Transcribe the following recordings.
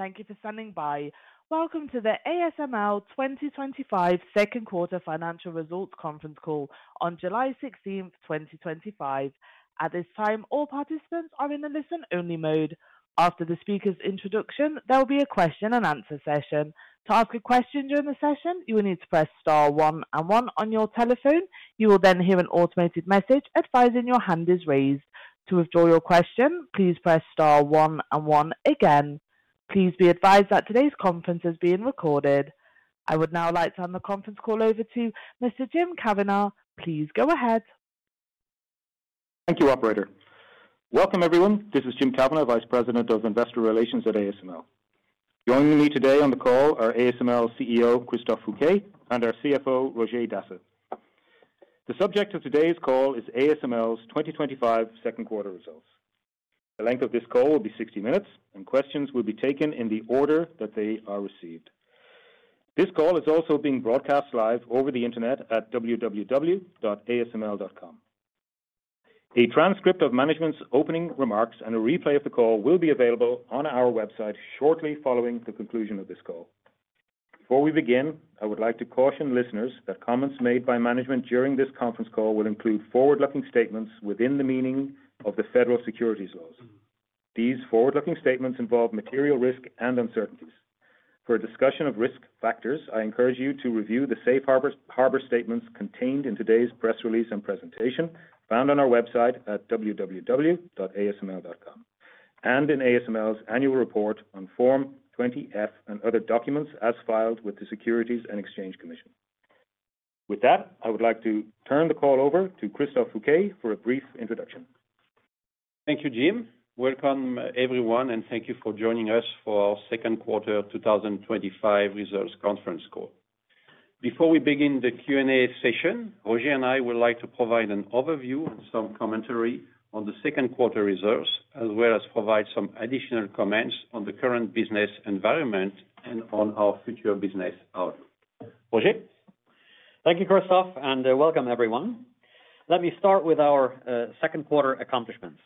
Thank you for standing by. Welcome to the ASML 2025 Second Quarter Financial Results Conference Call on July 16th, 2025. At this time, all participants are in the listen-only mode. After the speaker's introduction, there will be a question-and-answer session. To ask a question during the session, you will need to press star one and one on your telephone. You will then hear an automated message advising your hand is raised. To withdraw your question, please press star one and one again. Please be advised that today's conference is being recorded. I would now like to hand the conference call over to Mr. Jim Kavanagh. Please go ahead. Thank you, Operator. Welcome, everyone. This is Jim Kavanagh, Vice President of Investor Relations at ASML. Joining me today on the call are ASML CEO Christophe Fouquet and our CFO Roger Dassen. The subject of today's call is ASML's 2025 second quarter results. The length of this call will be 60 minutes, and questions will be taken in the order that they are received. This call is also being broadcast live over the internet at www.asml.com. A transcript of management's opening remarks and a replay of the call will be available on our website shortly following the conclusion of this call. Before we begin, I would like to caution listeners that comments made by management during this conference call will include forward-looking statements within the meaning of the federal securities laws. These forward-looking statements involve material risk and uncertainties. For a discussion of risk factors, I encourage you to review the safe harbor statements contained in today's press release and presentation found on our website at www.asml.com and in ASML's annual report on Form 20-F and other documents as filed with the Securities and Exchange Commission. With that, I would like to turn the call over to Christophe Fouquet for a brief introduction. Thank you, Jim. Welcome, everyone, and thank you for joining us for our Second Quarter 2025 Results Conference Call. Before we begin the Q&A session, Roger and I would like to provide an overview and some commentary on the second quarter results, as well as provide some additional comments on the current business environment and on our future business outlook. Roger. Thank you, Christophe, and welcome, everyone. Let me start with our second quarter accomplishments.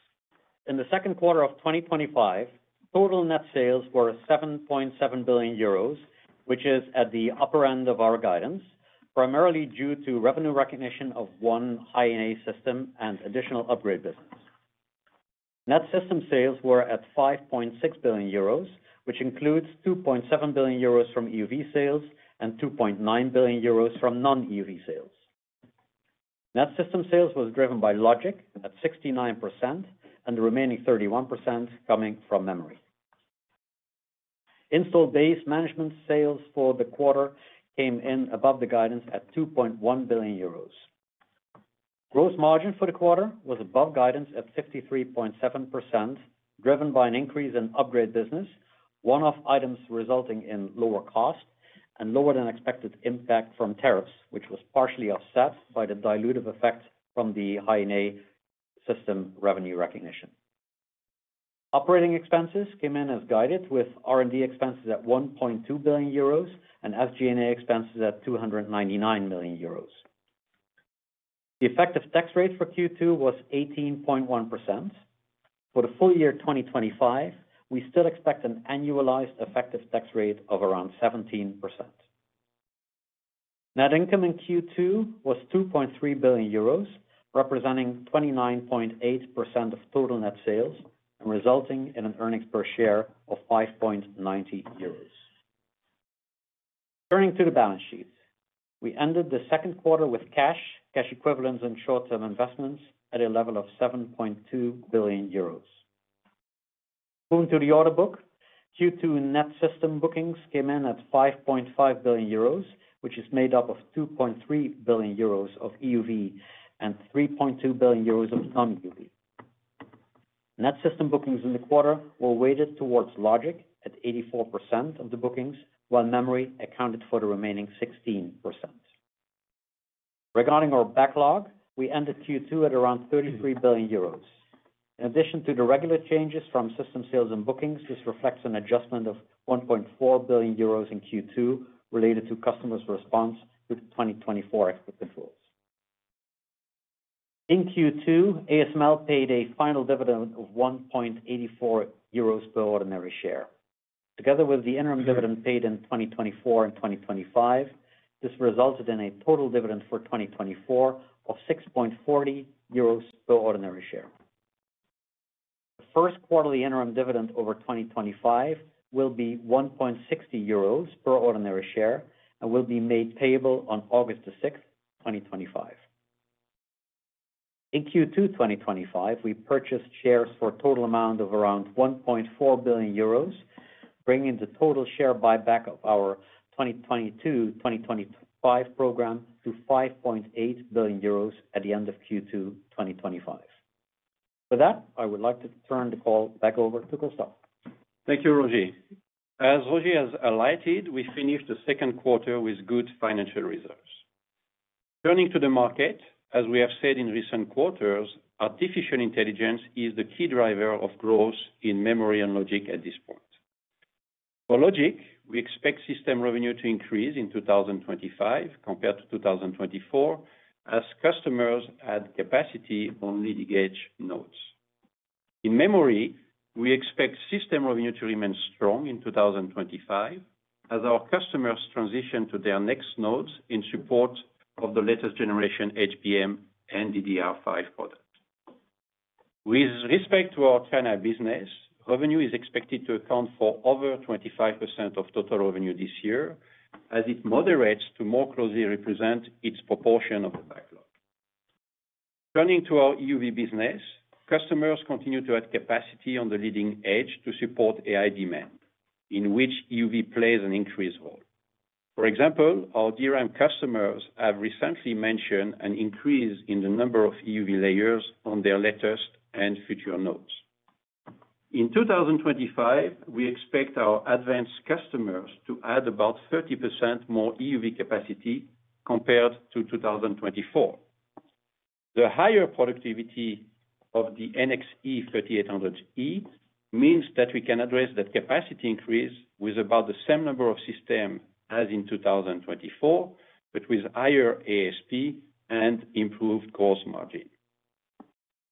In the second quarter of 2025, total net sales were 7.7 billion euros, which is at the upper end of our guidance, primarily due to revenue recognition of one high-NA system and additional upgrade business. Net system sales were at 5.6 billion euros, which includes 2.7 billion euros from EUV sales and 2.9 billion euros from non-EUV sales. Net system sales was driven by logic at 69%, and the remaining 31% coming from memory. Installed base management sales for the quarter came in above the guidance at 2.1 billion euros. Gross margin for the quarter was above guidance at 53.7%, driven by an increase in upgrade business, one-off items resulting in lower cost, and lower-than-expected impact from tariffs, which was partially offset by the dilutive effect from the high-NA system revenue recognition. Operating expenses came in as guided, with R&D expenses at 1.2 billion euros and FG&A expenses at 299 million euros. The effective tax rate for Q2 was 18.1%. For the full year 2025, we still expect an annualized effective tax rate of around 17%. Net income in Q2 was 2.3 billion euros, representing 29.8% of total net sales and resulting in an earnings per share of 5.90 euros. Turning to the balance sheet, we ended the second quarter with cash, cash equivalents, and short-term investments at a level of 7.2 billion euros. Moving to the order book, Q2 net system bookings came in at 5.5 billion euros, which is made up of 2.3 billion euros of EUV and 3.2 billion euros of non-EUV. Net system bookings in the quarter were weighted towards logic at 84% of the bookings, while memory accounted for the remaining 16%. Regarding our backlog, we ended Q2 at around 33 billion euros. In addition to the regular changes from system sales and bookings, this reflects an adjustment of 1.4 billion euros in Q2 related to customers' response to the 2024 export controls. In Q2, ASML paid a final dividend of 1.84 euros per ordinary share. Together with the interim dividend paid in 2024 and 2025, this resulted in a total dividend for 2024 of 6.40 euros per ordinary share. The first quarterly interim dividend over 2025 will be 1.60 euros per ordinary share and will be made payable on August the 6th, 2025. In Q2 2025, we purchased shares for a total amount of around 1.4 billion euros, bringing the total share buyback of our 2022-2025 program to 5.8 billion euros at the end of Q2 2025. With that, I would like to turn the call back over to Christophe. Thank you, Roger. As Roger has alighted, we finished the second quarter with good financial results. Turning to the market, as we have said in recent quarters, artificial intelligence is the key driver of growth in memory and logic at this point. For logic, we expect system revenue to increase in 2025 compared to 2024, as customers add capacity on leading-edge nodes. In memory, we expect system revenue to remain strong in 2025, as our customers transition to their next nodes in support of the latest generation HBM and DDR5 products. With respect to our China business, revenue is expected to account for over 25% of total revenue this year, as it moderates to more closely represent its proportion of the backlog. Turning to our EUV business, customers continue to add capacity on the leading edge to support AI demand, in which EUV plays an increased role. For example, our DRAM customers have recently mentioned an increase in the number of EUV layers on their latest and future nodes. In 2025, we expect our advanced customers to add about 30% more EUV capacity compared to 2024. The higher productivity of the NXE 3800E means that we can address that capacity increase with about the same number of systems as in 2024, but with higher ASP and improved gross margin.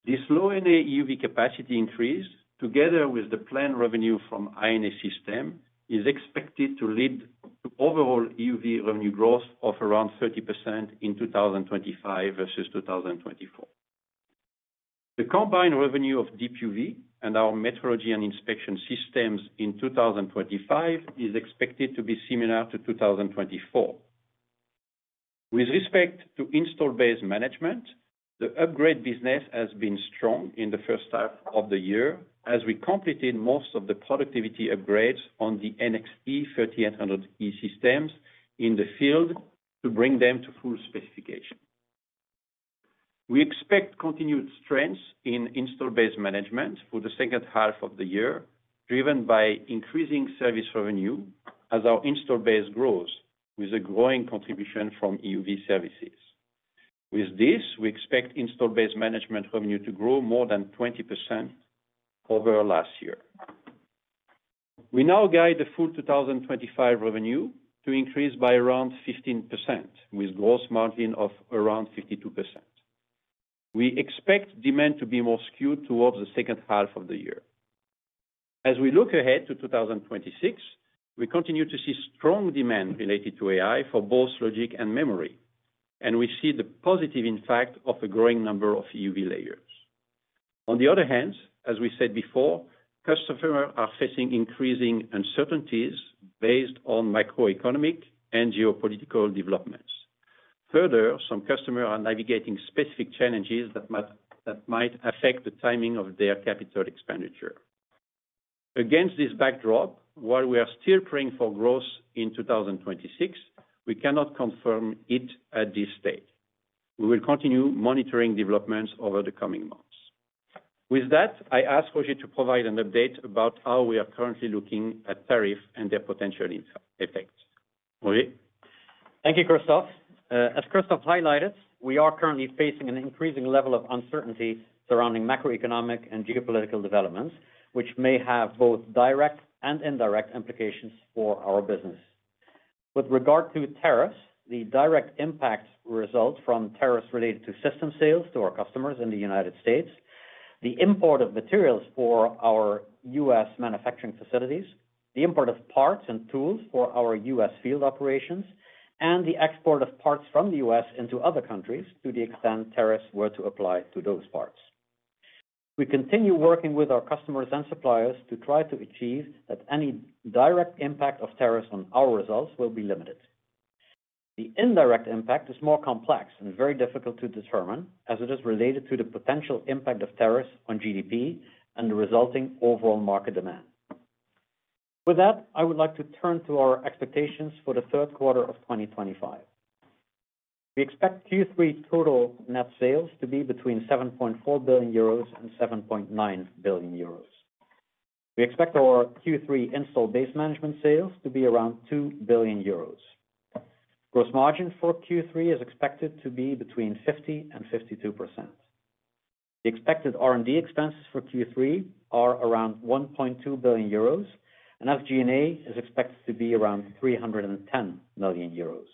This low-NA EUV capacity increase, together with the planned revenue from high-NA systems, is expected to lead to overall EUV revenue growth of around 30% in 2025 versus 2024. The combined revenue of DeepUV and our metrology and inspection systems in 2025 is expected to be similar to 2024. With respect to installed base management, the upgrade business has been strong in the first half of the year, as we completed most of the productivity upgrades on the NXE 3800E systems in the field to bring them to full specification. We expect continued strength in installed base management for the second half of the year, driven by increasing service revenue as our installed base grows with a growing contribution from EUV services. With this, we expect installed base management revenue to grow more than 20% over last year. We now guide the full 2025 revenue to increase by around 15%, with gross margin of around 52%. We expect demand to be more skewed towards the second half of the year. As we look ahead to 2026, we continue to see strong demand related to AI for both logic and memory, and we see the positive impact of a growing number of EUV layers. On the other hand, as we said before, customers are facing increasing uncertainties based on macroeconomic and geopolitical developments. Further, some customers are navigating specific challenges that might affect the timing of their capital expenditure. Against this backdrop, while we are still praying for growth in 2026, we cannot confirm it at this stage. We will continue monitoring developments over the coming months. With that, I ask Roger to provide an update about how we are currently looking at tariffs and their potential effects. Roger? Thank you, Christophe. As Christophe highlighted, we are currently facing an increasing level of uncertainty surrounding macroeconomic and geopolitical developments, which may have both direct and indirect implications for our business. With regard to tariffs, the direct impact results from tariffs related to system sales to our customers in the United States, the import of materials for our U.S. manufacturing facilities, the import of parts and tools for our U.S. field operations, and the export of parts from the U.S. into other countries to the extent tariffs were to apply to those parts. We continue working with our customers and suppliers to try to achieve that any direct impact of tariffs on our results will be limited. The indirect impact is more complex and very difficult to determine, as it is related to the potential impact of tariffs on GDP and the resulting overall market demand. With that, I would like to turn to our expectations for the third quarter of 2025. We expect Q3 total net sales to be between 7.4 billion euros and 7.9 billion euros. We expect our Q3 installed base management sales to be around 2 billion euros. Gross margin for Q3 is expected to be between 50% and 52%. The expected R&D expenses for Q3 are around 1.2 billion euros, and FG&A is expected to be around 310 million euros.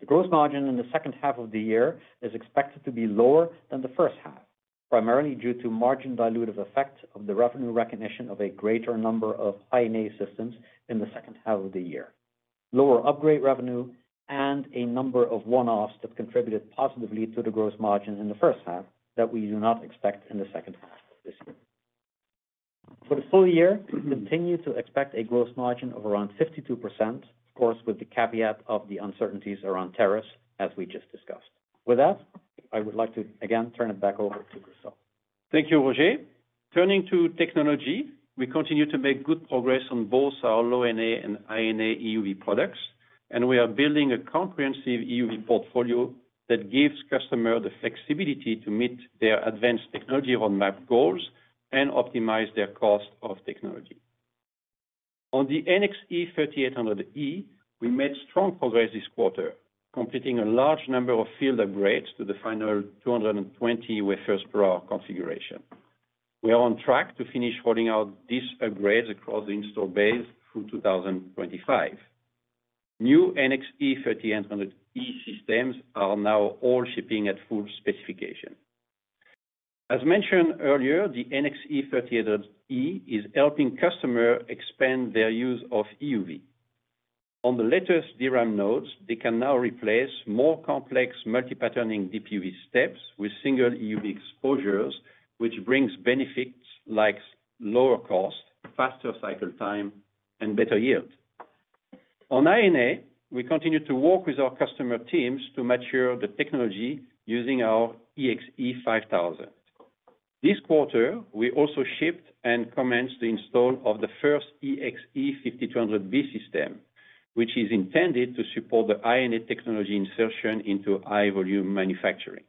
The gross margin in the second half of the year is expected to be lower than the first half, primarily due to margin dilutive effect of the revenue recognition of a greater number of high-NA systems in the second half of the year, lower upgrade revenue, and a number of one-offs that contributed positively to the gross margin in the first half that we do not expect in the second half of this year. For the full year, we continue to expect a gross margin of around 52%, of course, with the caveat of the uncertainties around tariffs, as we just discussed. With that, I would like to again turn it back over to Christophe. Thank you, Roger. Turning to technology, we continue to make good progress on both our low-NA and high-NA EUV products, and we are building a comprehensive EUV portfolio that gives customers the flexibility to meet their advanced technology roadmap goals and optimize their cost of technology. On the NXE 3800E, we made strong progress this quarter, completing a large number of field upgrades to the final 220 wafers per hour configuration. We are on track to finish rolling out these upgrades across the installed base through 2025. New NXE 3800E systems are now all shipping at full specification. As mentioned earlier, the NXE 3800E is helping customers expand their use of EUV. On the latest DRAM nodes, they can now replace more complex multi-patterning DeepUV steps with single EUV exposures, which brings benefits like lower cost, faster cycle time, and better yield. On high-NA, we continue to work with our customer teams to mature the technology using our EXE 5000. This quarter, we also shipped and commenced the install of the first EXE 5200B system, which is intended to support the high-NA technology insertion into high-volume manufacturing.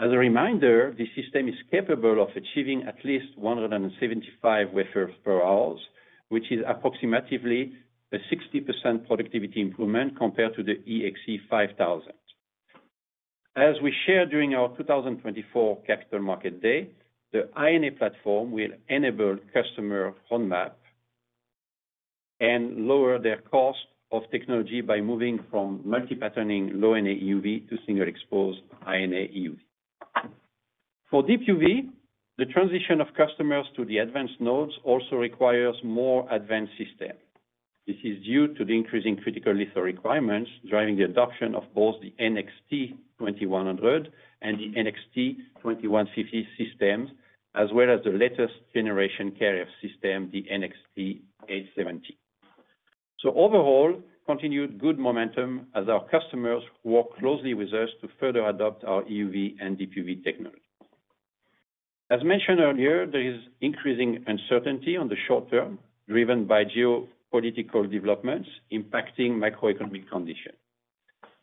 As a reminder, the system is capable of achieving at least 175 wafers per hour, which is approximately a 60% productivity improvement compared to the EXE 5000. As we shared during our 2024 Capital Market Day, the high-NA platform will enable customers' roadmap and lower their cost of technology by moving from multi-patterning low-NA EUV to single-exposed high-NA EUV. For DeepUV, the transition of customers to the advanced nodes also requires more advanced systems. This is due to the increasing critical lithography requirements driving the adoption of both the NXT 2100 and the NXT 2150 systems, as well as the latest generation carrier system, the NXT 870. Overall, continued good momentum as our customers work closely with us to further adopt our EUV and DeepUV technologies. As mentioned earlier, there is increasing uncertainty in the short term, driven by geopolitical developments impacting macroeconomic conditions.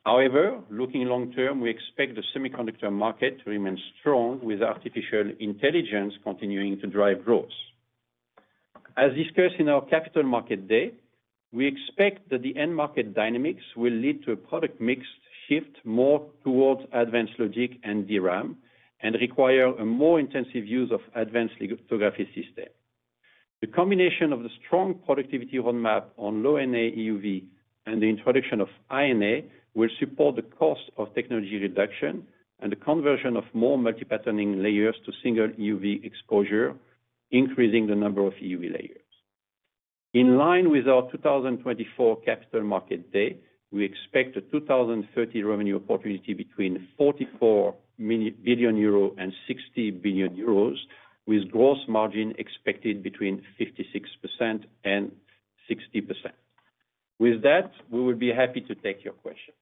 However, looking long term, we expect the semiconductor market to remain strong, with artificial intelligence continuing to drive growth. As discussed in our Capital Market Day, we expect that the end market dynamics will lead to a product mix shift more towards advanced logic and DRAM and require a more intensive use of advanced lithography systems. The combination of the strong productivity roadmap on low-NA EUV and the introduction of high-NA will support the cost of technology reduction and the conversion of more multi-patterning layers to single EUV exposure, increasing the number of EUV layers. In line with our 2024 Capital Market Day, we expect a 2030 revenue opportunity between 44 billion euro and 60 billion euros, with gross margin expected between 56% and 60%. With that, we would be happy to take your questions.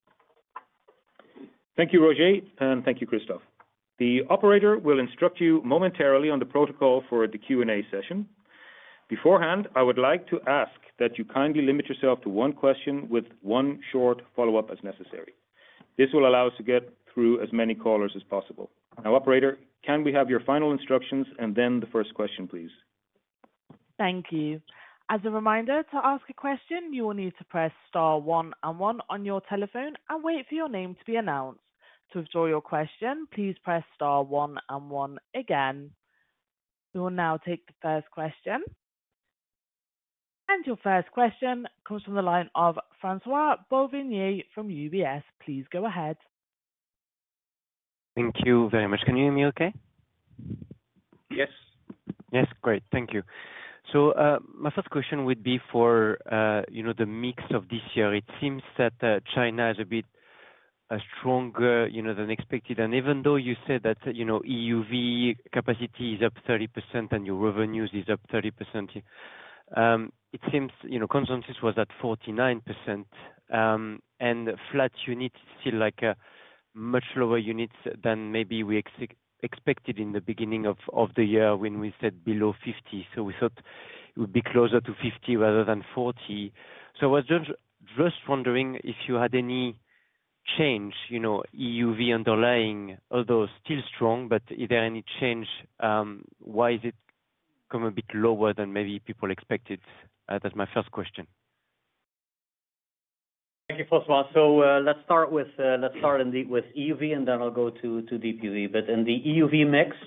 Thank you, Roger, and thank you, Christophe. The operator will instruct you momentarily on the protocol for the Q&A session. Beforehand, I would like to ask that you kindly limit yourself to one question with one short follow-up as necessary. This will allow us to get through as many callers as possible. Now, operator, can we have your final instructions and then the first question, please? Thank you. As a reminder, to ask a question, you will need to press star one and one on your telephone and wait for your name to be announced. To withdraw your question, please press star one and one again. We will now take the first question. Your first question comes from the line of François Bouvignies from UBS. Please go ahead. Thank you very much. Can you hear me okay? Yes. Yes, great. Thank you. My first question would be for the mix of this year. It seems that China is a bit stronger than expected. Even though you said that EUV capacity is up 30% and your revenue is up 30%, it seems consensus was at 49%. Flat units still, like, much lower units than maybe we expected in the beginning of the year when we said below 50. We thought it would be closer to 50 rather than 40. I was just wondering if you had any change, EUV underlying, although still strong, but is there any change? Why has it come a bit lower than maybe people expected? That is my first question. Thank you, François. Let's start indeed with EUV, and then I'll go to DeepUV. In the EUV mix,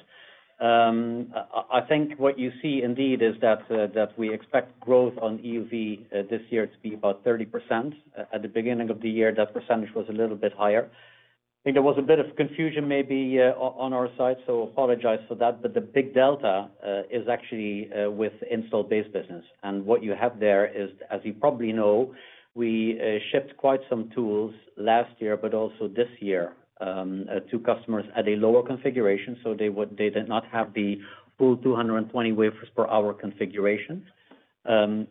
I think what you see indeed is that we expect growth on EUV this year to be about 30%. At the beginning of the year, that percentage was a little bit higher. I think there was a bit of confusion maybe on our side, so I apologize for that. The big delta is actually with installed base business. What you have there is, as you probably know, we shipped quite some tools last year, but also this year to customers at a lower configuration. They did not have the full 220 wafers per hour configuration. The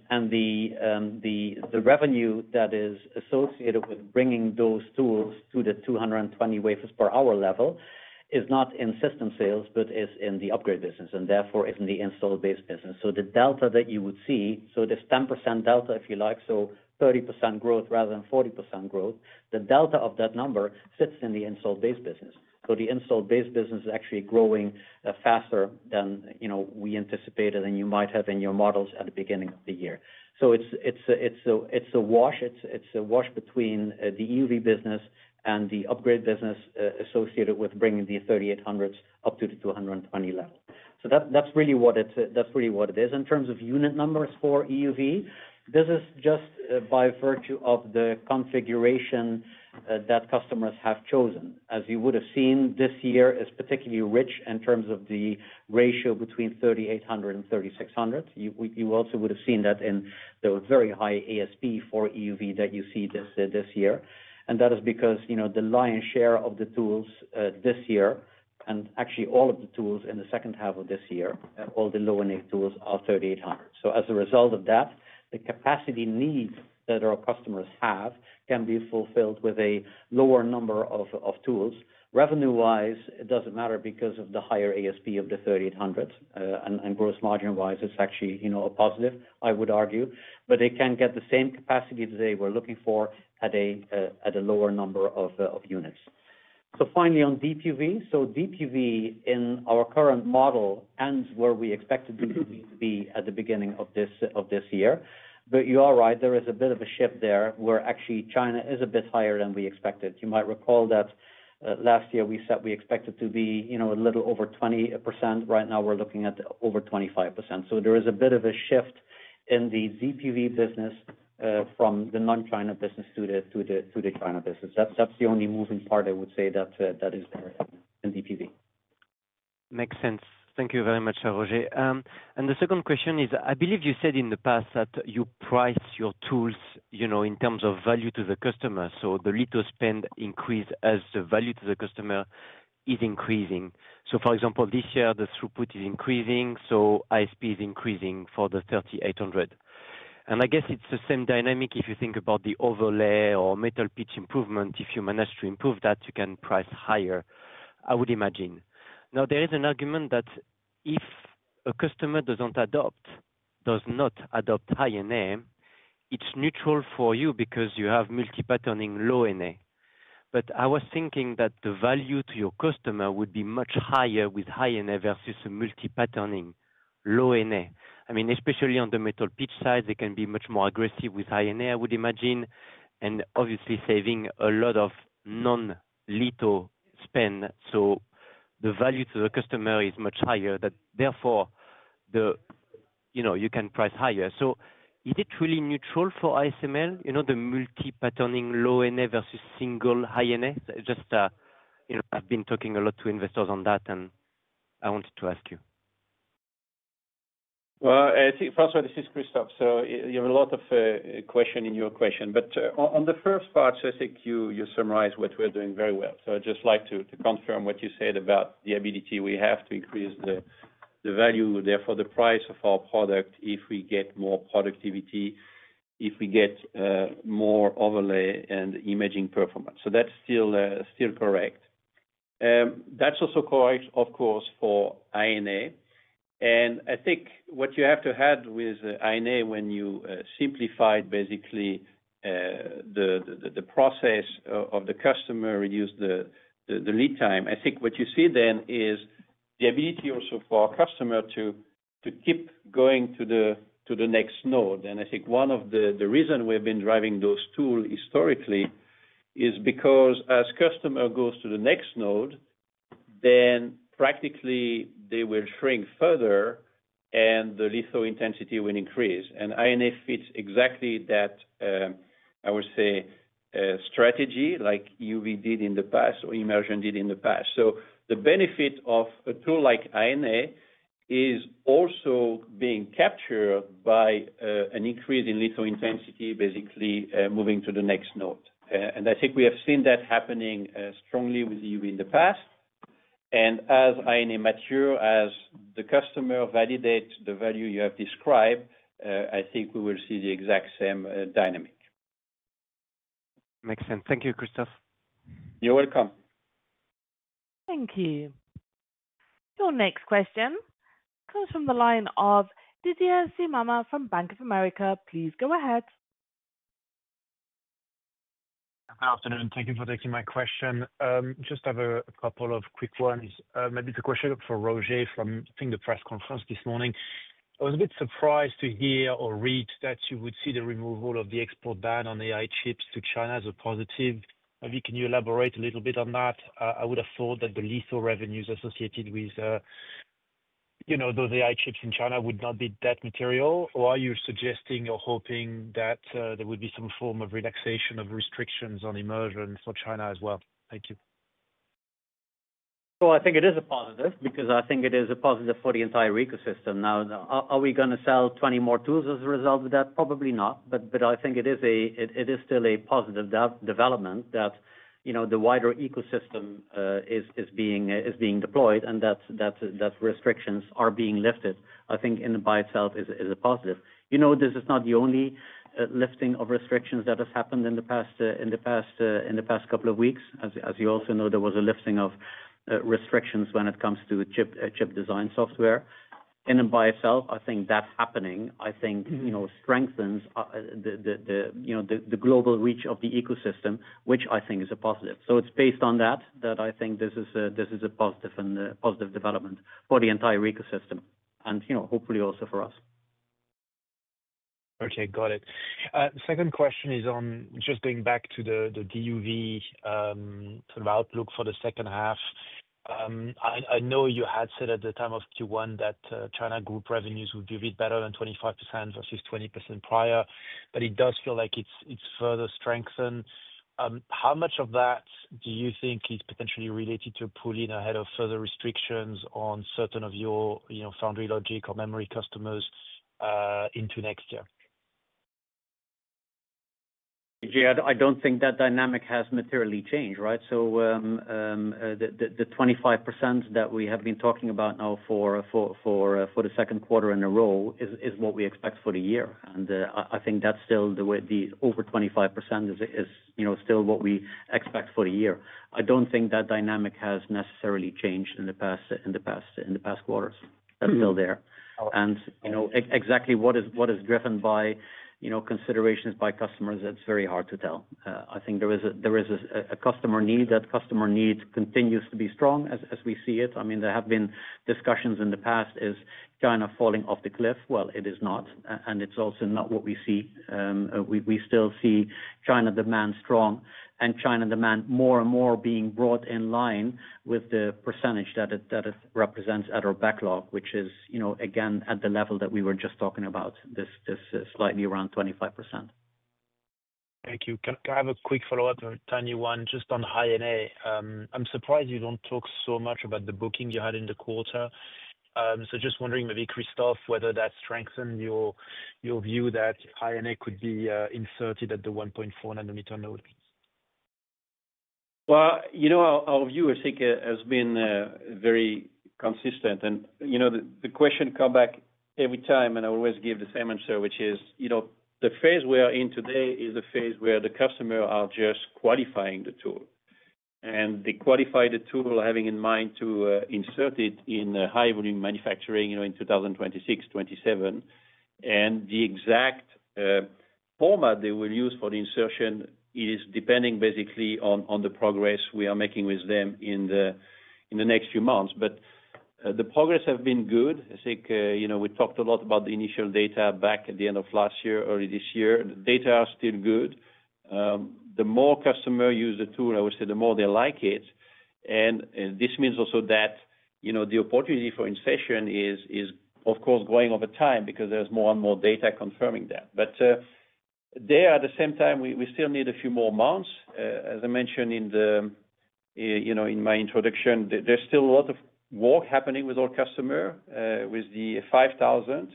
revenue that is associated with bringing those tools to the 220 wafers per hour level is not in system sales, but is in the upgrade business, and therefore is in the installed base business. The delta that you would see, so there is a 10% delta, if you like, so 30% growth rather than 40% growth. The delta of that number sits in the installed base business. The installed base business is actually growing faster than we anticipated and you might have in your models at the beginning of the year. It is a wash between the EUV business and the upgrade business associated with bringing the 3800s up to the 220 level. That is really what it is in terms of unit numbers for EUV. This is just by virtue of the configuration that customers have chosen. As you would have seen, this year is particularly rich in terms of the ratio between 3800 and 3600. You also would have seen that in the very high ASP for EUV that you see this year. That is because the lion's share of the tools this year, and actually all of the tools in the second half of this year, all the low-NA tools are 3800. As a result of that, the capacity needs that our customers have can be fulfilled with a lower number of tools. Revenue-wise, it does not matter because of the higher ASP of the 3800s. Gross margin-wise, it is actually a positive, I would argue. They can get the same capacity today we are looking for at a lower number of units. Finally, on DeepUV, in our current model, DeepUV ends where we expected DeepUV to be at the beginning of this year. You are right, there is a bit of a shift there where actually China is a bit higher than we expected. You might recall that last year we said we expected to be a little over 20%. Right now, we are looking at over 25%. There is a bit of a shift in the DeepUV business from the non-China business to the China business. That is the only moving part, I would say, that is there in DeepUV. Makes sense. Thank you very much, Roger. The second question is, I believe you said in the past that you price your tools in terms of value to the customer. The litho spend increases as the value to the customer is increasing. For example, this year, the throughput is increasing, so ASP is increasing for the 3800. I guess it is the same dynamic if you think about the overlay or metal pitch improvement. If you manage to improve that, you can price higher, I would imagine. There is an argument that if a customer does not adopt high-NA, it is neutral for you because you have multi-patterning low-NA. I was thinking that the value to your customer would be much higher with high-NA versus a multi-patterning low-NA. I mean, especially on the metal pitch side, they can be much more aggressive with high-NA, I would imagine, and obviously saving a lot of non-little spend. The value to the customer is much higher that therefore you can price higher. Is it really neutral for ASML, the multi-patterning low-NA versus single high-NA? I've been talking a lot to investors on that, and I wanted to ask you. I think, François, this is Christophe. You have a lot of questions in your question. On the first part, I think you summarized what we're doing very well. I'd just like to confirm what you said about the ability we have to increase the value, therefore the price of our product if we get more productivity, if we get more overlay and imaging performance. That's still correct. That's also correct, of course, for high-NA. I think what you have to add with high-NA when you simplify basically the process of the customer reduces the lead time. I think what you see then is the ability also for our customer to keep going to the next node. I think one of the reasons we've been driving those tools historically is because as customers go to the next node, then practically they will shrink further and the lithointensity will increase. High-NA fits exactly that, I would say, strategy like EUV did in the past or immersion did in the past. The benefit of a tool like high-NA is also being captured by an increase in lithointensity, basically moving to the next node. I think we have seen that happening strongly with EUV in the past. As high-NA matures, as the customer validates the value you have described, I think we will see the exact same dynamic. Makes sense. Thank you, Christophe. You're welcome. Thank you. Your next question comes from the line of Didier Simama from Bank of America. Please go ahead. Good afternoon. Thank you for taking my question. Just have a couple of quick ones. Maybe it's a question for Roger from the press conference this morning. I was a bit surprised to hear or read that you would see the removal of the export ban on AI chips to China as a positive. Maybe can you elaborate a little bit on that? I would have thought that the lethal revenues associated with those AI chips in China would not be that material. Or are you suggesting or hoping that there would be some form of relaxation of restrictions on Immersion for China as well? Thank you. I think it is a positive because I think it is a positive for the entire ecosystem. Now, are we going to sell 20 more tools as a result of that? Probably not. I think it is still a positive development that the wider ecosystem is being deployed and that restrictions are being lifted. I think in and by itself is a positive. This is not the only lifting of restrictions that has happened in the past couple of weeks. As you also know, there was a lifting of restrictions when it comes to chip design software. In and by itself, I think that happening, I think, strengthens the global reach of the ecosystem, which I think is a positive. It is based on that that I think this is a positive development for the entire ecosystem and hopefully also for us. Okay, got it. Second question is on just going back to the DUV sort of outlook for the second half. I know you had said at the time of Q1 that China group revenues would be a bit better than 25% versus 20% prior, but it does feel like it's further strengthened. How much of that do you think is potentially related to a pull-in ahead of further restrictions on certain of your foundry logic or memory customers into next year? I do not think that dynamic has materially changed, right? The 25% that we have been talking about now for the second quarter in a row is what we expect for the year. I think that is still the way, the over 25% is still what we expect for the year. I do not think that dynamic has necessarily changed in the past quarters. That is still there. Exactly what is driven by considerations by customers, it is very hard to tell. I think there is a customer need. That customer need continues to be strong as we see it. I mean, there have been discussions in the past, is China falling off the cliff. It is not. It is also not what we see. We still see China demand strong and China demand more and more being brought in line with the percentage that it represents at our backlog, which is, again, at the level that we were just talking about, slightly around 25%. Thank you. Can I have a quick follow-up on tiny one just on high-NA? I'm surprised you don't talk so much about the booking you had in the quarter. Just wondering maybe, Christophe, whether that strengthens your view that high-NA could be inserted at the 1.4 nm node. Our view, I think, has been very consistent. The question comes back every time, and I always give the same answer, which is the phase we are in today is the phase where the customers are just qualifying the tool. They qualify the tool having in mind to insert it in high-volume manufacturing in 2026, 2027. The exact format they will use for the insertion is depending basically on the progress we are making with them in the next few months. The progress has been good. I think we talked a lot about the initial data back at the end of last year, early this year. The data are still good. The more customers use the tool, I would say the more they like it. This means also that the opportunity for insertion is, of course, growing over time because there is more and more data confirming that. At the same time, we still need a few more months. As I mentioned in my introduction, there is still a lot of work happening with our customers with the 5000.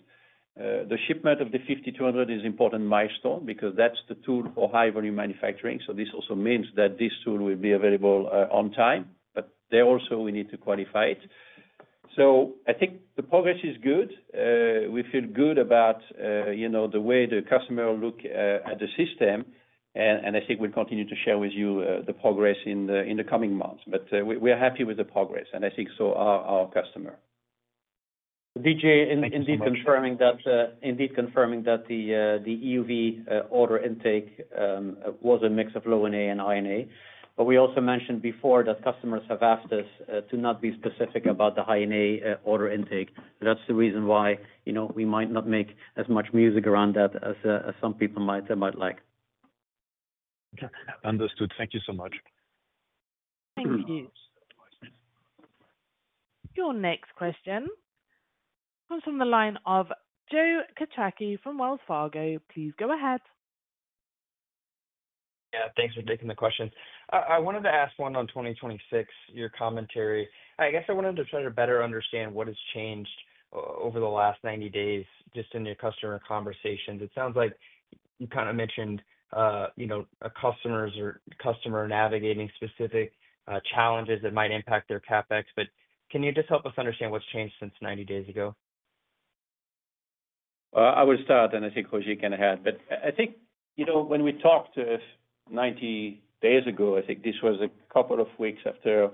The shipment of the 5200 is an important milestone because that is the tool for high-volume manufacturing. This also means that this tool will be available on time. There also, we need to qualify it. I think the progress is good. We feel good about the way the customers look at the system. I think we will continue to share with you the progress in the coming months. We are happy with the progress, and I think so are our customers. Didier, indeed confirming that the EUV order intake was a mix of low-NA and high-NA. We also mentioned before that customers have asked us to not be specific about the high-NA order intake. That is the reason why we might not make as much music around that as some people might like. Understood. Thank you so much. Thank you. Your next question comes from the line of Joe Quatrochi from Wells Fargo. Please go ahead. Yeah, thanks for taking the question. I wanted to ask one on 2026, your commentary. I guess I wanted to try to better understand what has changed over the last 90 days just in your customer conversations. It sounds like you kind of mentioned customers are navigating specific challenges that might impact their CapEx. Can you just help us understand what's changed since 90 days ago? I will start, and I think Roger can add. I think when we talked 90 days ago, this was a couple of weeks after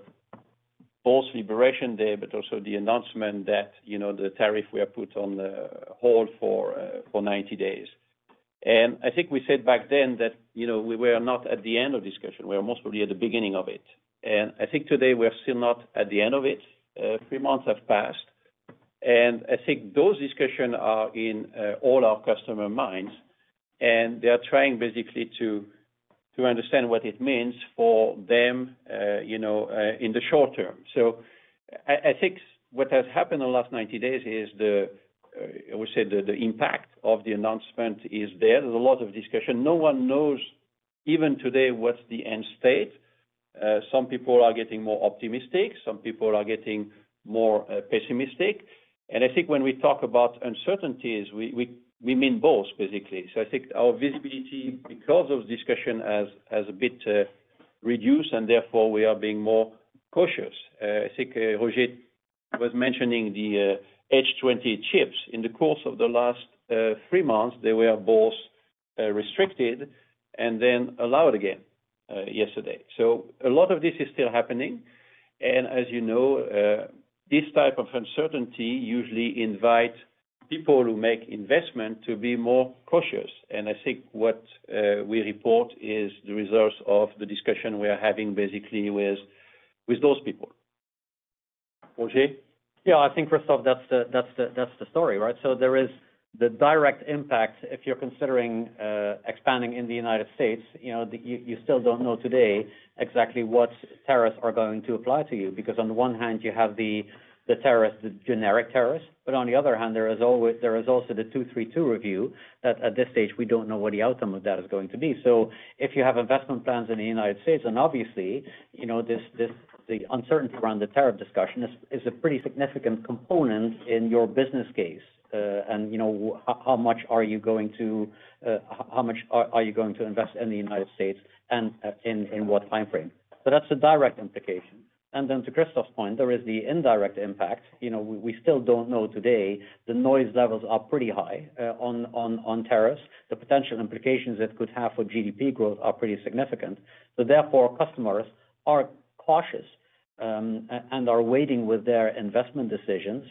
both Liberation Day, but also the announcement that the tariff we have put on hold for 90 days. I think we said back then that we were not at the end of the discussion. We were most probably at the beginning of it. I think today we're still not at the end of it. Three months have passed. I think those discussions are in all our customers' minds. They are trying basically to understand what it means for them in the short term. I think what has happened in the last 90 days is, I would say, the impact of the announcement is there. There's a lot of discussion. No one knows even today what is the end state. Some people are getting more optimistic. Some people are getting more pessimistic. I think when we talk about uncertainties, we mean both, basically. I think our visibility because of discussion has a bit reduced, and therefore we are being more cautious. I think Roger was mentioning the H20 chips. In the course of the last three months, they were both restricted and then allowed again yesterday. A lot of this is still happening. As you know, this type of uncertainty usually invites people who make investments to be more cautious. I think what we report is the results of the discussion we are having basically with those people. Roger. Yeah, I think, Christophe, that's the story, right? There is the direct impact. If you're considering expanding in the United States, you still don't know today exactly what tariffs are going to apply to you because on the one hand, you have the tariffs, the generic tariffs. On the other hand, there is also the 232 review that at this stage, we don't know what the outcome of that is going to be. If you have investment plans in the United States, obviously, the uncertainty around the tariff discussion is a pretty significant component in your business case. How much are you going to invest in the United States and in what timeframe? That's the direct implication. To Christophe's point, there is the indirect impact. We still don't know today. The noise levels are pretty high on tariffs. The potential implications it could have for GDP growth are pretty significant. Therefore, customers are cautious and are waiting with their investment decisions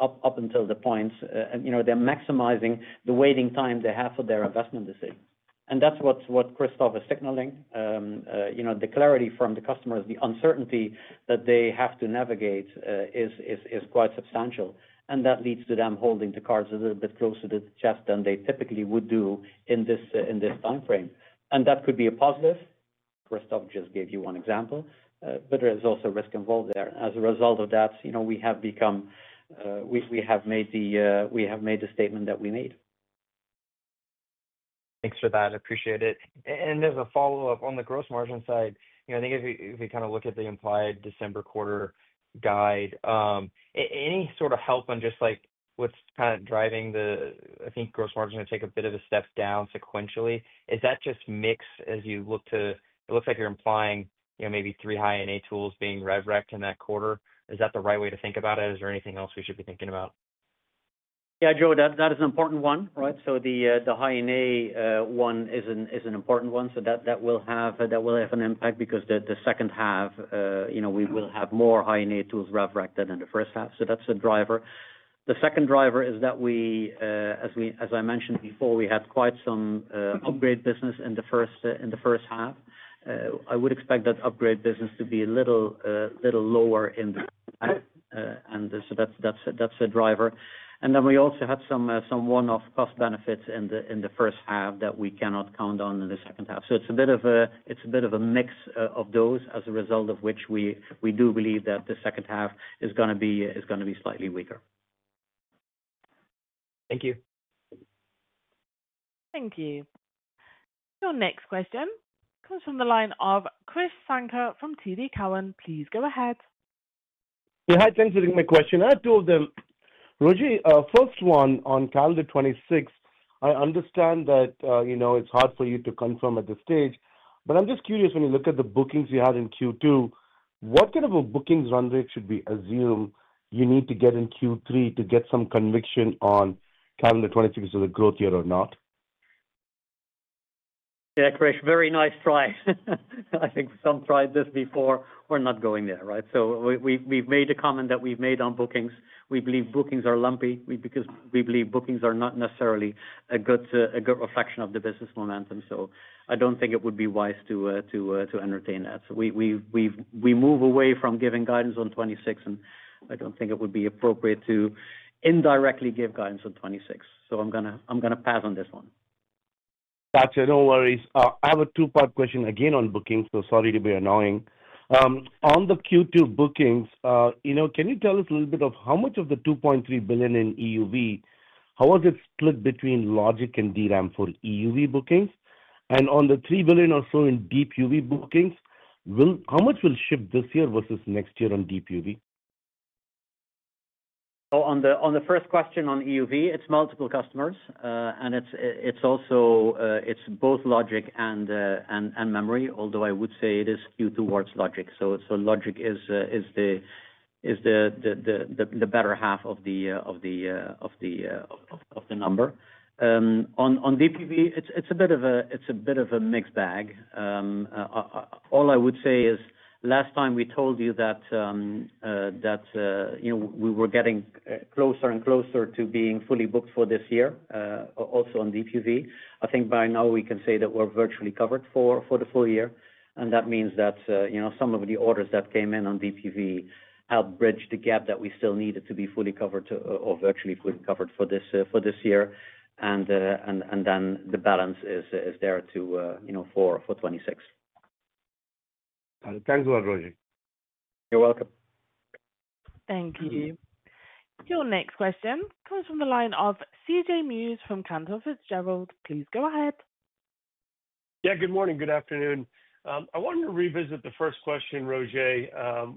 up until the point. They're maximizing the waiting time they have for their investment decision. That's what Christophe is signaling. The clarity from the customers, the uncertainty that they have to navigate is quite substantial. That leads to them holding the cards a little bit closer to the chest than they typically would do in this timeframe. That could be a positive. Christophe just gave you one example. There is also risk involved there. As a result of that, we have made the statement that we made. Thanks for that. I appreciate it. As a follow-up on the gross margin side, I think if we kind of look at the implied December quarter guide, any sort of help on just what's kind of driving the, I think, gross margin to take a bit of a step down sequentially? Is that just mix as you look to it looks like you're implying maybe three high-NA tools being recognized in that quarter. Is that the right way to think about it? Is there anything else we should be thinking about? Yeah, Joe, that is an important one, right? The high-NA one is an important one. That will have an impact because the second half, we will have more high-NA tools red-recked than in the first half. That is a driver. The second driver is that, as I mentioned before, we had quite some upgrade business in the first half. I would expect that upgrade business to be a little lower in the second half. That is a driver. We also had some one-off cost benefits in the first half that we cannot count on in the second half. It is a bit of a mix of those, as a result of which we do believe that the second half is going to be slightly weaker. Thank you. Thank you. Your next question comes from the line of Krish Sanker from TD Cowen. Please go ahead. Hi, thanks for taking my question. I have two of them. Roger, first one on calendar 2026, I understand that it's hard for you to confirm at this stage. I am just curious, when you look at the bookings you had in Q2, what kind of a bookings run rate should we assume you need to get in Q3 to get some conviction on calendar 2026 as a growth year or not? Yeah, Krish, very nice try. I think some tried this before. We're not going there, right? We have made a comment that we have made on bookings. We believe bookings are lumpy because we believe bookings are not necessarily a good reflection of the business momentum. I do not think it would be wise to entertain that. We move away from giving guidance on 2026, and I do not think it would be appropriate to indirectly give guidance on 2026. I am going to pass on this one. Gotcha. No worries. I have a two-part question again on bookings, so sorry to be annoying. On the Q2 bookings, can you tell us a little bit of how much of the 2.3 billion in EUV, how was it split between logic and DRAM for EUV bookings? On the 3 billion or so in DeepUV bookings, how much will ship this year versus next year on DeepUV? On the first question on EUV, it's multiple customers. It's both logic and memory, although I would say it is skewed towards logic. Logic is the better half of the number. On DeepUV, it's a bit of a mixed bag. All I would say is, last time we told you that we were getting closer and closer to being fully booked for this year, also on DeepUV, I think by now we can say that we're virtually covered for the full year. That means that some of the orders that came in on DeepUV helped bridge the gap that we still needed to be fully covered or virtually fully covered for this year. The balance is there for 2026. Thanks a lot, Roger. You're welcome. Thank you. Your next question comes from the line of CJ Muse from Cantor Fitzgerald. Please go ahead. Yeah, good morning. Good afternoon. I wanted to revisit the first question, Roger,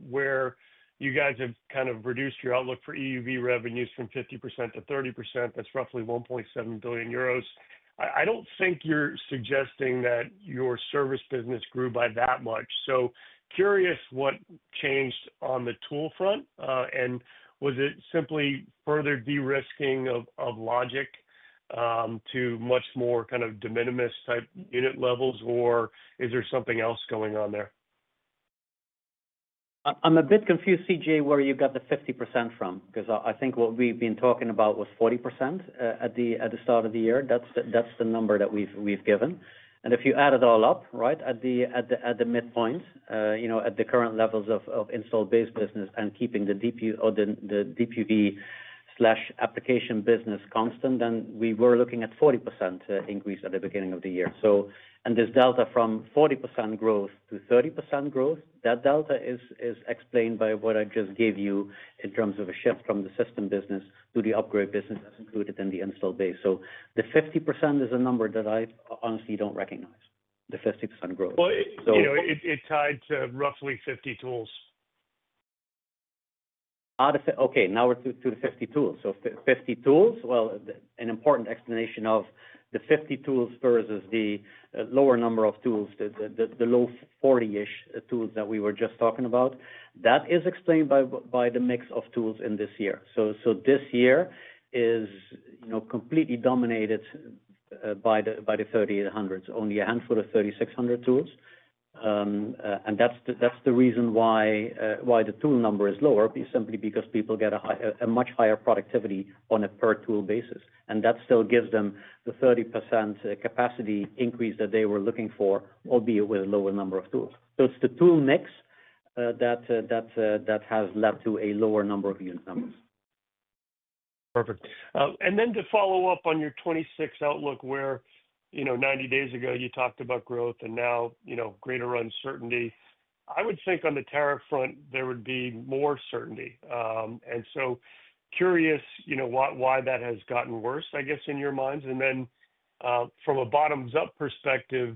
where you guys have kind of reduced your outlook for EUV revenues from 50% to 30%. That's roughly 1.7 billion euros. I don't think you're suggesting that your service business grew by that much. Curious what changed on the toolfront. Was it simply further de-risking of logic to much more kind of de minimis type unit levels, or is there something else going on there? I'm a bit confused, CJ, where you got the 50% from because I think what we've been talking about was 40% at the start of the year. That's the number that we've given. If you add it all up, right, at the midpoint, at the current levels of installed-based business and keeping the DeepUV slash application business constant, then we were looking at a 40% increase at the beginning of the year. This delta from 40% growth to 30% growth, that delta is explained by what I just gave you in terms of a shift from the system business to the upgrade business as included in the installed-based. The 50% is a number that I honestly don't recognize, the 50% growth. It tied to roughly 50 tools. Okay, now we're to the 50 tools. 50 tools, an important explanation of the 50 tools versus the lower number of tools, the low 40-ish tools that we were just talking about, that is explained by the mix of tools in this year. This year is completely dominated by the 3800s, only a handful of 3600 tools. That's the reason why the tool number is lower, simply because people get a much higher productivity on a per-tool basis. That still gives them the 30% capacity increase that they were looking for, albeit with a lower number of tools. It's the tool mix that has led to a lower number of unit numbers. Perfect. To follow up on your 2026 outlook, where 90 days ago you talked about growth and now greater uncertainty, I would think on the tariff front, there would be more certainty. I am curious why that has gotten worse, I guess, in your minds. From a bottoms-up perspective,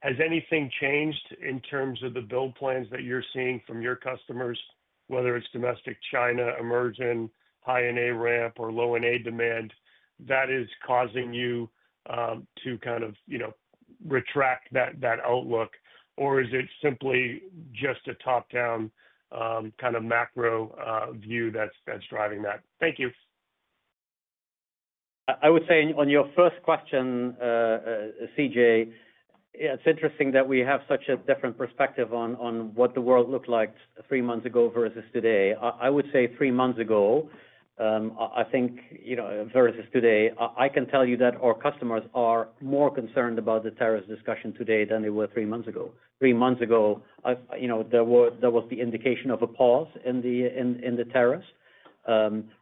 has anything changed in terms of the build plans that you are seeing from your customers, whether it is domestic China, emerging, high-NA ramp, or low-NA demand that is causing you to kind of retract that outlook? Or is it simply just a top-down kind of macro view that is driving that? Thank you. I would say on your first question, CJ, it's interesting that we have such a different perspective on what the world looked like three months ago versus today. I would say three months ago, I think versus today, I can tell you that our customers are more concerned about the tariffs discussion today than they were three months ago. Three months ago, there was the indication of a pause in the tariffs.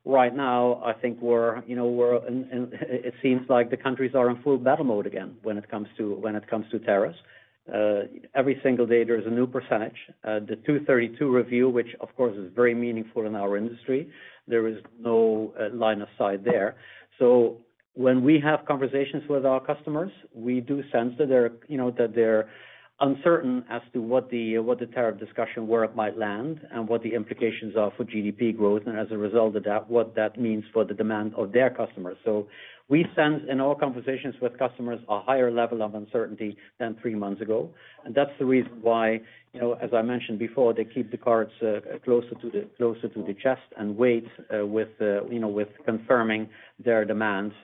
Right now, I think we're in it seems like the countries are in full battle mode again when it comes to tariffs. Every single day, there is a new percentage. The 232 review, which, of course, is very meaningful in our industry, there is no line of sight there. When we have conversations with our customers, we do sense that they're uncertain as to what the tariff discussion might land and what the implications are for GDP growth and, as a result of that, what that means for the demand of their customers. We sense in our conversations with customers a higher level of uncertainty than three months ago. That's the reason why, as I mentioned before, they keep the cards closer to the chest and wait with confirming their demands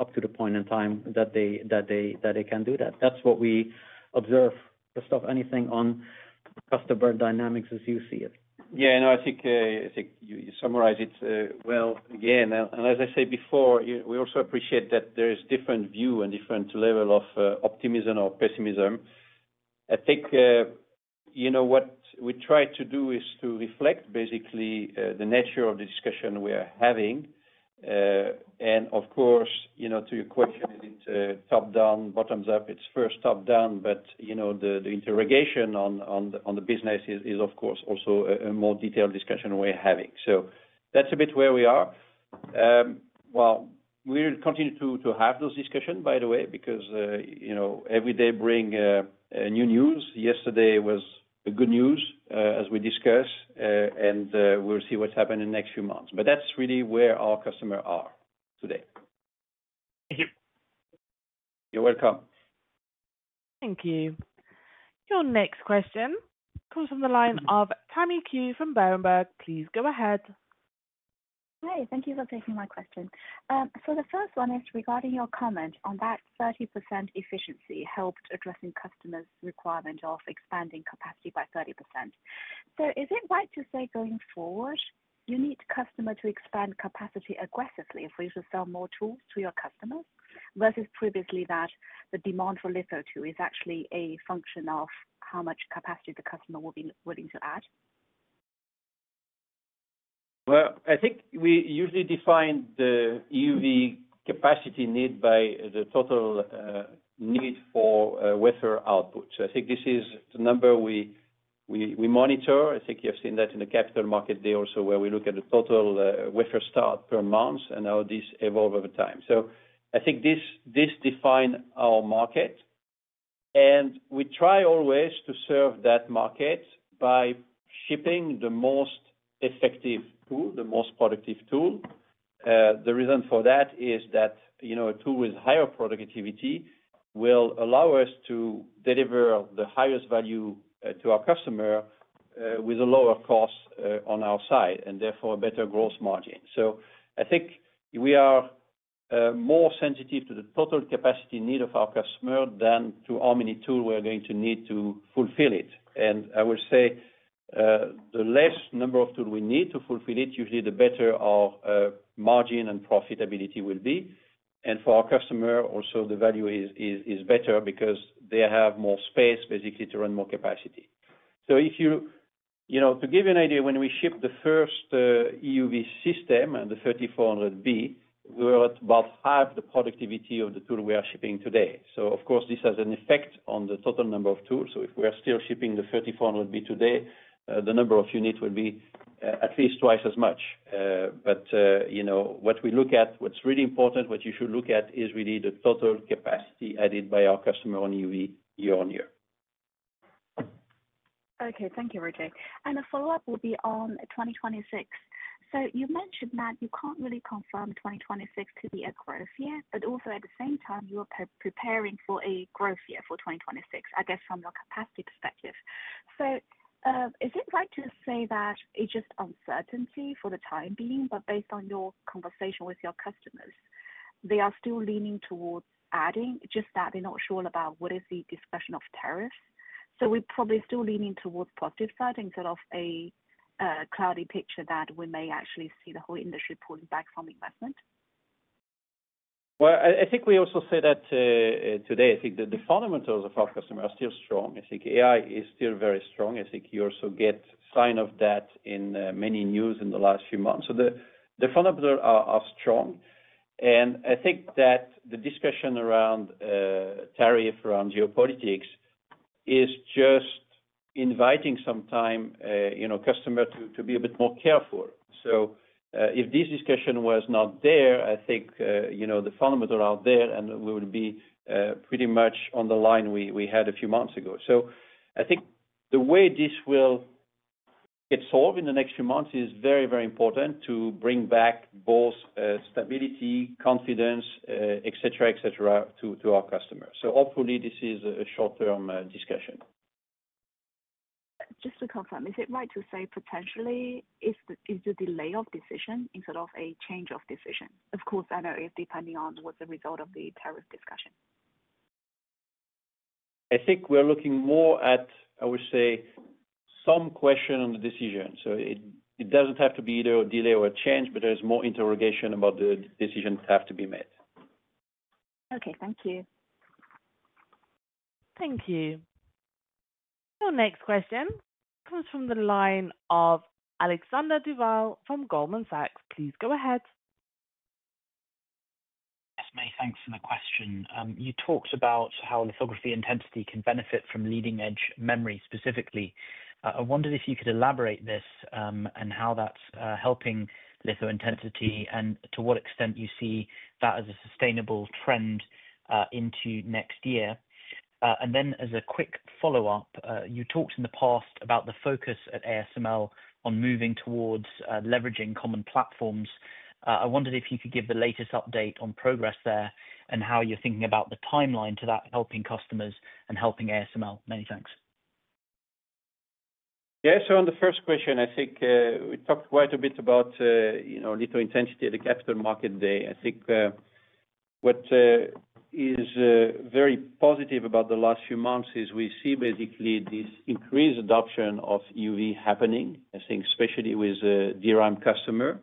up to the point in time that they can do that. That's what we observe. Christophe, anything on customer dynamics as you see it? Yeah, no, I think you summarized it well again. As I said before, we also appreciate that there is a different view and different level of optimism or pessimism. I think what we try to do is to reflect basically the nature of the discussion we are having. Of course, to your question, is it top-down, bottoms-up? It is first top-down, but the interrogation on the business is, of course, also a more detailed discussion we are having. That is a bit where we are. We will continue to have those discussions, by the way, because every day brings new news. Yesterday was good news, as we discussed, and we will see what is happening in the next few months. That is really where our customers are today. Thank you. You're welcome. Thank you. Your next question comes from the line of Tammy Qiu from Berenberg. Please go ahead. Hi. Thank you for taking my question. The first one is regarding your comment on that 30% efficiency helped addressing customers' requirement of expanding capacity by 30%. Is it right to say going forward, you need customers to expand capacity aggressively if we're to sell more tools to your customers versus previously that the demand for litho tools is actually a function of how much capacity the customer will be willing to add? I think we usually define the EUV capacity need by the total need for wafer output. I think this is the number we monitor. I think you have seen that in the capital market there also where we look at the total wafer start per month and how this evolves over time. I think this defines our market. We try always to serve that market by shipping the most effective tool, the most productive tool. The reason for that is that a tool with higher productivity will allow us to deliver the highest value to our customer with a lower cost on our side and therefore a better gross margin. I think we are more sensitive to the total capacity need of our customer than to how many tools we're going to need to fulfill it. I will say the less number of tools we need to fulfill it, usually the better our margin and profitability will be. For our customer, also the value is better because they have more space basically to run more capacity. To give you an idea, when we shipped the first EUV system and the 3400B, we were at about half the productivity of the tool we are shipping today. Of course, this has an effect on the total number of tools. If we are still shipping the 3400B today, the number of units will be at least twice as much. What we look at, what's really important, what you should look at is really the total capacity added by our customer on EUV year-on-year. Okay. Thank you, Roger. The follow-up will be on 2026. You mentioned that you can't really confirm 2026 to be a growth year, but also at the same time, you are preparing for a growth year for 2026, I guess, from your capacity perspective. Is it right to say that it's just uncertainty for the time being, but based on your conversation with your customers, they are still leaning towards adding, just that they're not sure about what is the discussion of tariffs? We're probably still leaning towards the positive side instead of a cloudy picture that we may actually see the whole industry pulling back from investment? I think we also say that today, I think that the fundamentals of our customers are still strong. I think AI is still very strong. I think you also get signs of that in many news in the last few months. The fundamentals are strong. I think that the discussion around tariffs, around geopolitics, is just inviting some time customers to be a bit more careful. If this discussion was not there, I think the fundamentals are out there and we will be pretty much on the line we had a few months ago. I think the way this will get solved in the next few months is very, very important to bring back both stability, confidence, et cetera, et cetera, to our customers. Hopefully, this is a short-term discussion. Just to confirm, is it right to say potentially it's a delay of decision instead of a change of decision? Of course, I know it's depending on what's the result of the tariff discussion. I think we're looking more at, I would say, some question on the decision. It doesn't have to be either a delay or a change, but there's more interrogation about the decisions that have to be made. Okay. Thank you. Thank you. Your next question comes from the line of Alexander Duval from Goldman Sachs. Please go ahead. Yes, May. Thanks for the question. You talked about how lithography intensity can benefit from leading-edge memory specifically. I wondered if you could elaborate this and how that's helping lithointensity and to what extent you see that as a sustainable trend into next year. As a quick follow-up, you talked in the past about the focus at ASML on moving towards leveraging common platforms. I wondered if you could give the latest update on progress there and how you're thinking about the timeline to that helping customers and helping ASML. Many thanks. Yeah. On the first question, I think we talked quite a bit about lithointensity at the Capital Market Day. I think what is very positive about the last few months is we see basically this increased adoption of EUV happening, I think, especially with the DRAM customer.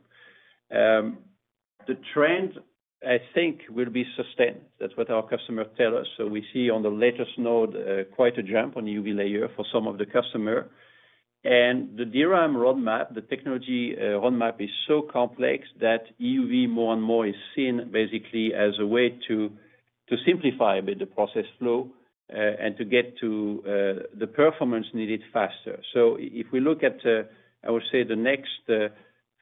The trend, I think, will be sustained. That is what our customers tell us. We see on the latest node quite a jump on the EUV layer for some of the customers. The DRAM roadmap, the technology roadmap, is so complex that EUV more and more is seen basically as a way to simplify a bit the process flow and to get to the performance needed faster. If we look at, I would say, the next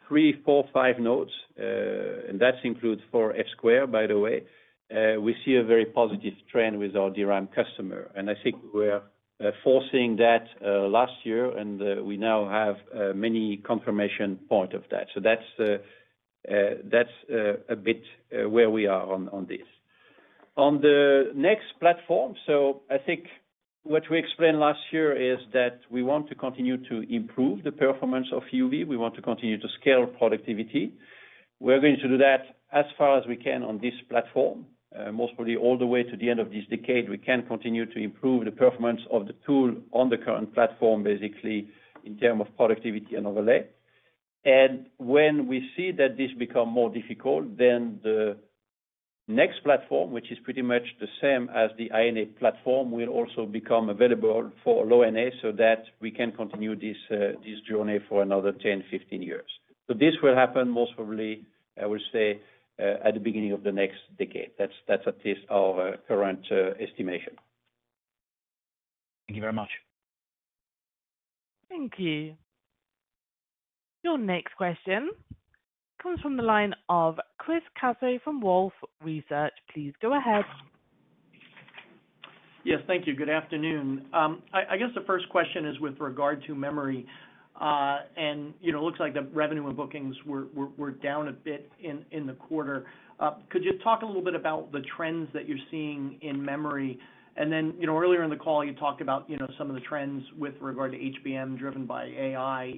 three, four, five nodes, and that includes four F-squared, by the way, we see a very positive trend with our DRAM customer. I think we were forcing that last year, and we now have many confirmation points of that. That is a bit where we are on this. On the next platform, I think what we explained last year is that we want to continue to improve the performance of EUV. We want to continue to scale productivity. We are going to do that as far as we can on this platform, most probably all the way to the end of this decade. We can continue to improve the performance of the tool on the current platform, basically in terms of productivity and overlay. When we see that this becomes more difficult, then the next platform, which is pretty much the same as the high-NA platform, will also become available for low-NA so that we can continue this journey for another 10-15 years. This will happen most probably, I would say, at the beginning of the next decade. That's at least our current estimation. Thank you very much. Thank you. Your next question comes from the line of Chris Caso from Wolfe Research. Please go ahead. Yes, thank you. Good afternoon. I guess the first question is with regard to memory. It looks like the revenue and bookings were down a bit in the quarter. Could you talk a little bit about the trends that you're seeing in memory? Earlier in the call, you talked about some of the trends with regard to HBM driven by AI.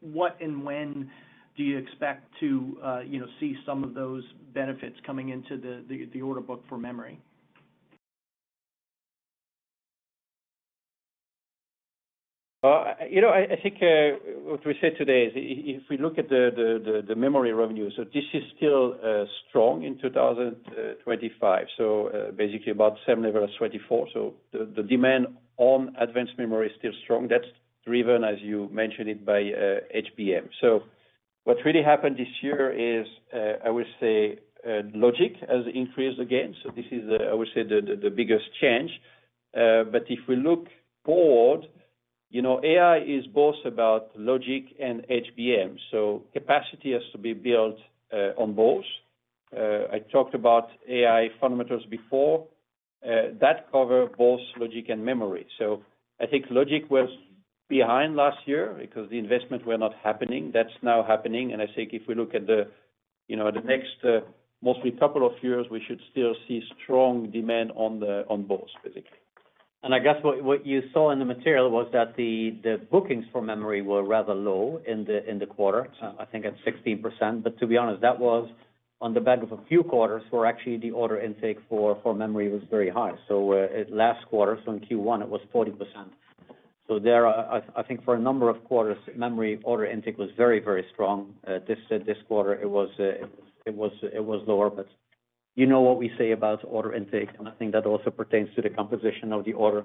What and when do you expect to see some of those benefits coming into the order book for memory? I think what we said today is if we look at the memory revenue, this is still strong in 2025. Basically, about the same level as 2024. The demand on advanced memory is still strong. That is driven, as you mentioned, by HBM. What really happened this year is, I would say, logic has increased again. This is, I would say, the biggest change. If we look forward, AI is both about logic and HBM. Capacity has to be built on both. I talked about AI fundamentals before. That covers both logic and memory. I think logic was behind last year because the investments were not happening. That is now happening. I think if we look at the next mostly couple of years, we should still see strong demand on both, basically. I guess what you saw in the material was that the bookings for memory were rather low in the quarter. I think at 16%. To be honest, that was on the back of a few quarters where actually the order intake for memory was very high. Last quarter, in Q1, it was 40%. For a number of quarters, memory order intake was very, very strong. This quarter, it was lower. You know what we say about order intake. I think that also pertains to the composition of the order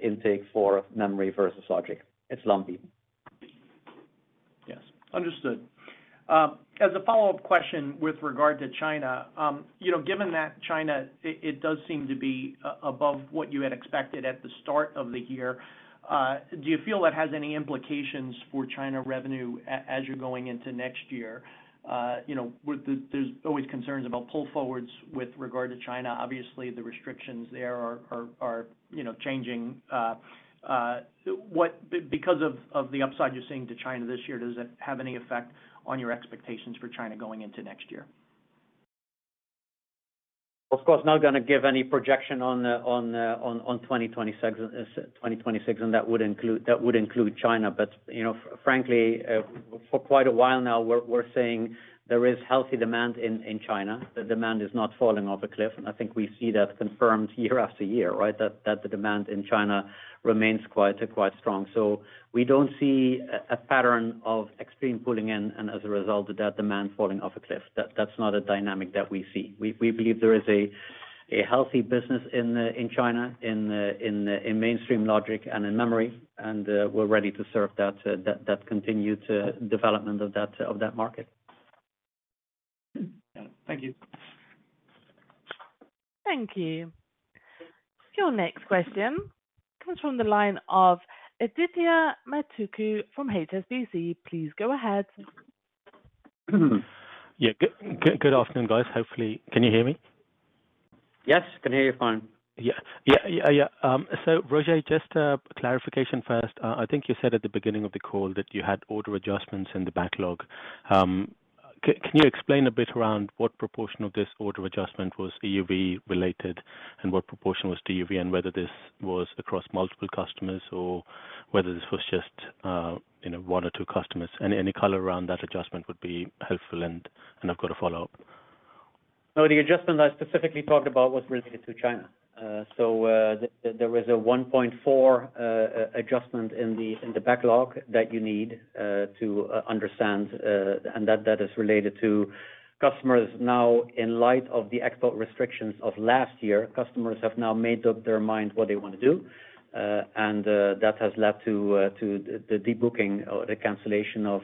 intake for memory versus logic. It's lumpy. Yes. Understood. As a follow-up question with regard to China, given that China does seem to be above what you had expected at the start of the year, do you feel that has any implications for China revenue as you're going into next year? There's always concerns about pull forwards with regard to China. Obviously, the restrictions there are changing. Because of the upside you're seeing to China this year, does it have any effect on your expectations for China going into next year? Of course, not going to give any projection on 2026, and that would include China. Frankly, for quite a while now, we're seeing there is healthy demand in China. The demand is not falling off a cliff. I think we see that confirmed year after year, right, that the demand in China remains quite strong. We do not see a pattern of extreme pulling in and as a result of that demand falling off a cliff. That is not a dynamic that we see. We believe there is a healthy business in China in mainstream logic and in memory. We are ready to serve that continued development of that market. Thank you. Thank you. Your next question comes from the line of Adithya Metuku from HSBC. Please go ahead. Yeah. Good afternoon, guys. Hopefully, can you hear me? Yes. I can hear you fine. Yeah. Yeah. Yeah. Roger, just a clarification first. I think you said at the beginning of the call that you had order adjustments in the backlog. Can you explain a bit around what proportion of this order adjustment was EUV-related and what proportion was DUV and whether this was across multiple customers or whether this was just one or two customers? Any color around that adjustment would be helpful. I have got a follow-up. No, the adjustment I specifically talked about was related to China. There was a 1.4 billion adjustment in the backlog that you need to understand. That is related to customers now, in light of the export restrictions of last year, customers have now made up their mind what they want to do. That has led to the debooking or the cancellation of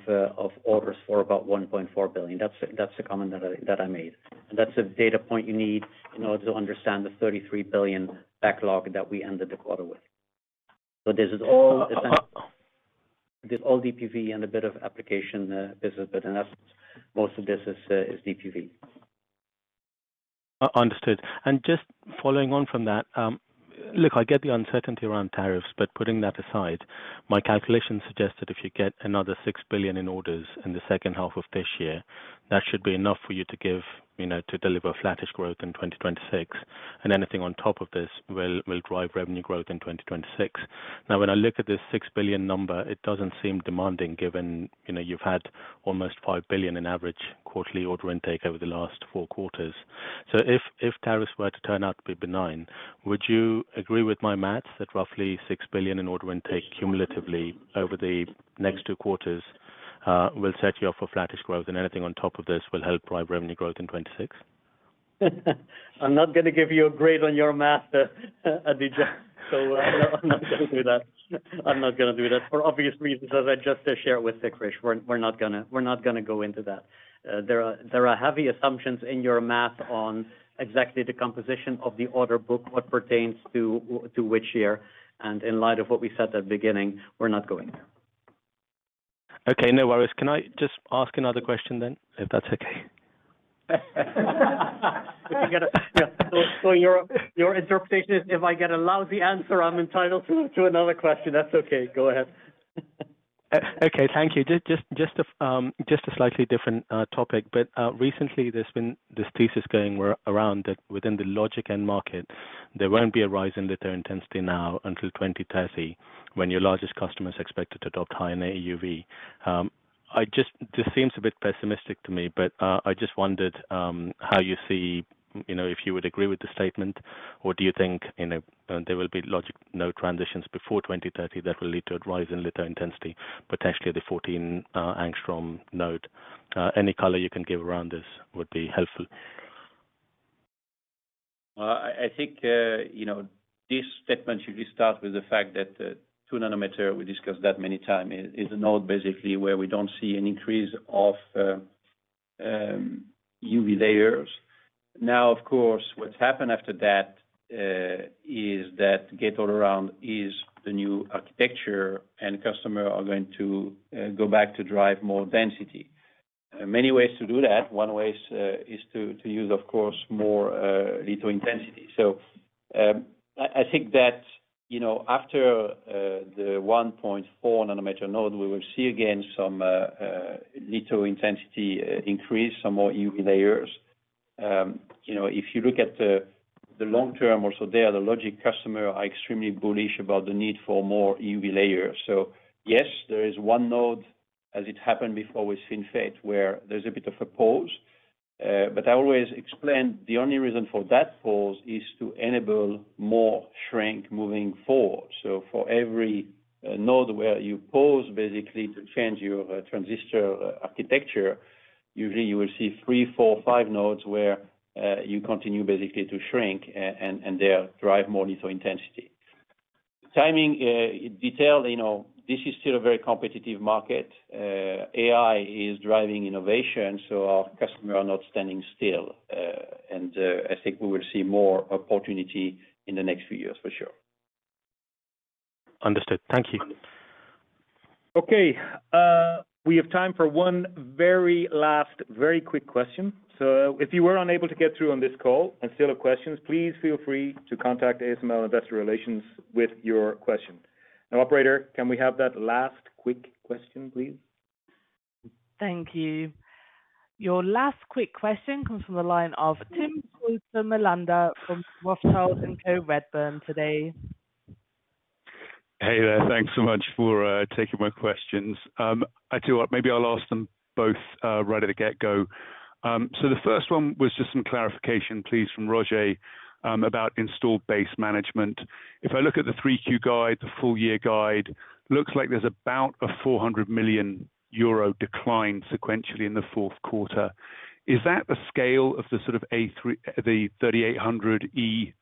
orders for about 1.4 billion. That is the comment that I made. That is a data point you need in order to understand the 33 billion backlog that we ended the quarter with. This is all DPV and a bit of application business, but in essence, most of this is DPV. Understood. Just following on from that, look, I get the uncertainty around tariffs, but putting that aside, my calculation suggested if you get another 6 billion in orders in the second half of this year, that should be enough for you to deliver flattish growth in 2026. Anything on top of this will drive revenue growth in 2026. Now, when I look at this 6 billion number, it does not seem demanding given you have had almost 5 billion in average quarterly order intake over the last four quarters. If tariffs were to turn out to be benign, would you agree with my maths that roughly 6 billion in order intake cumulatively over the next two quarters will set you up for flattish growth and anything on top of this will help drive revenue growth in 2026? I'm not going to give you a grade on your math, Adithya. I'm not going to do that. For obvious reasons, as I just shared with Krish, we're not going to go into that. There are heavy assumptions in your math on exactly the composition of the order book, what pertains to which year. In light of what we said at the beginning, we're not going there. Okay. No worries. Can I just ask another question then if that's okay? So your interpretation is if I get a lousy answer, I'm entitled to another question. That's okay. Go ahead. Okay. Thank you. Just a slightly different topic. Recently, there's been this thesis going around that within the logic end market, there won't be a rise in lithointensity now until 2030 when your largest customers are expected to adopt high-NA EUV. This seems a bit pessimistic to me, but I just wondered how you see if you would agree with the statement or do you think there will be logic node transitions before 2030 that will lead to a rise in lithointensity, potentially the 14 angstrom node. Any color you can give around this would be helpful. I think this statement should start with the fact that 2 nm, we discussed that many times, is a node basically where we do not see an increase of EUV layers. Now, of course, what has happened after that is that gate all around is the new architecture and customers are going to go back to drive more density. Many ways to do that. One way is to use, of course, more lithointensity. I think that after the 1.4 nm node, we will see again some lithointensity increase, some more EUV layers. If you look at the long term also there, the logic customers are extremely bullish about the need for more EUV layers. Yes, there is one node, as it happened before with FinFET, where there is a bit of a pause. I always explain the only reason for that pause is to enable more shrink moving forward. For every node where you pause basically to change your transistor architecture, usually you will see three, four, five nodes where you continue basically to shrink and there drive more lithointensity. Timing detail, this is still a very competitive market. AI is driving innovation. Our customers are not standing still. I think we will see more opportunity in the next few years for sure. Understood. Thank you. Okay. We have time for one very last, very quick question. If you were unable to get through on this call and still have questions, please feel free to contact ASML Investor Relations with your question. Now, Operator, can we have that last quick question, please? Thank you. Your last quick question comes from the line of Timm Schulze-Melander from Rothschild & Co Redburn today. Hey there. Thanks so much for taking my questions. I do. Maybe I'll ask them both right at the get-go. The first one was just some clarification, please, from Roger about installed base management. If I look at the 3Q guide, the full year guide, it looks like there's about a 400 million euro decline sequentially in the fourth quarter. Is that the scale of the sort of NXE 3800E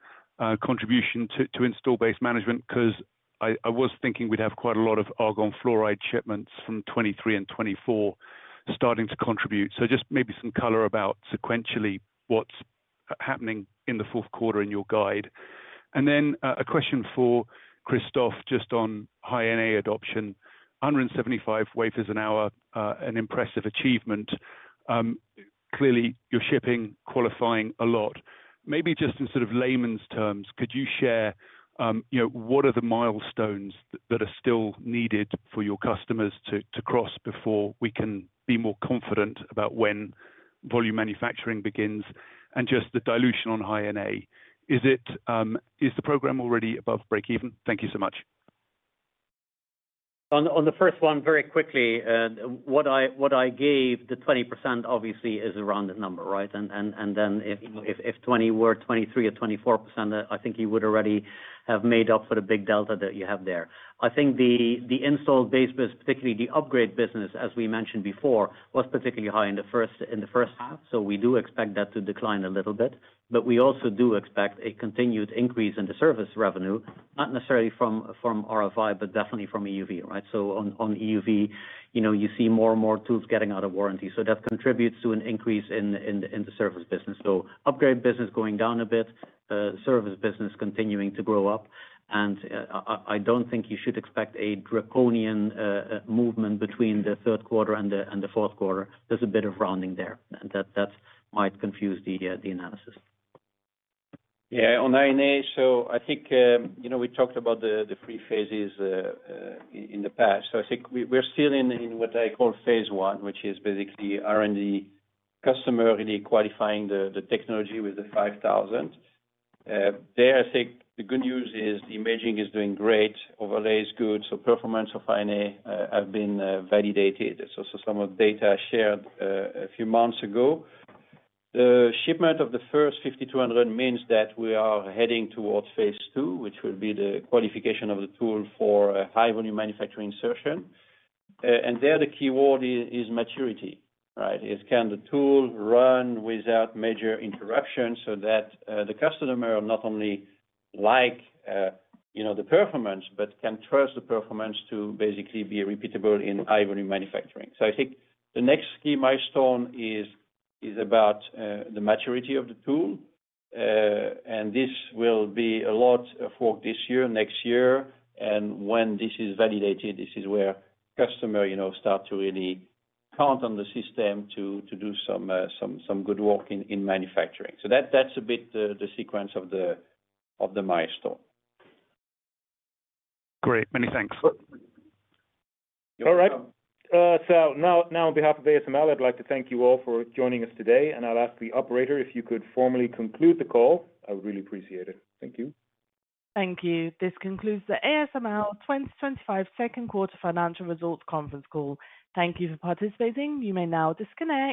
contribution to installed base management? Because I was thinking we'd have quite a lot of argon fluoride shipments from 2023 and 2024 starting to contribute. Just maybe some color about sequentially what's happening in the fourth quarter in your guide. A question for Christophe just on high-NA adoption. 175 wafers per hour, an impressive achievement. Clearly, you're shipping qualifying a lot. Maybe just in sort of layman's terms, could you share what are the milestones that are still needed for your customers to cross before we can be more confident about when volume manufacturing begins and just the dilution on high-NA? Is the program already above break-even? Thank you so much. On the first one, very quickly, what I gave, the 20% obviously is a rounded number, right? If 20% or 23% or 24%, I think you would already have made up for the big delta that you have there. I think the installed base business, particularly the upgrade business, as we mentioned before, was particularly high in the first half. We do expect that to decline a little bit. We also do expect a continued increase in the service revenue, not necessarily from RFI, but definitely from EUV, right? On EUV, you see more and more tools getting out of warranty. That contributes to an increase in the service business. Upgrade business going down a bit, service business continuing to grow up. I do not think you should expect a draconian movement between the third quarter and the fourth quarter. There's a bit of rounding there. That might confuse the analysis. Yeah. On high-NA, I think we talked about the three phases in the past. I think we're still in what I call phase I, which is basically R&D customer really qualifying the technology with the 5,000. There, I think the good news is the imaging is doing great. Overlay is good. So performance of high-NA has been validated. Some of the data shared a few months ago. The shipment of the first 5,200 means that we are heading towards phase II, which will be the qualification of the tool for high-volume manufacturing insertion. There, the key word is maturity, right? Can the tool run without major interruptions so that the customer not only likes the performance, but can trust the performance to basically be repeatable in high-volume manufacturing? I think the next key milestone is about the maturity of the tool. This will be a lot of work this year, next year. When this is validated, this is where customers start to really count on the system to do some good work in manufacturing. That is a bit the sequence of the milestone. Great. Many thanks. All right. On behalf of ASML, I'd like to thank you all for joining us today. I'll ask the operator if you could formally conclude the call. I would really appreciate it. Thank you. Thank you. This concludes the ASML 2025 Second Quarter Financial Results Conference Call. Thank you for participating. You may now disconnect.